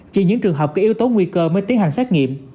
chỉ những trường hợp có yếu tố nguy cơ mới tiến hành xét nghiệm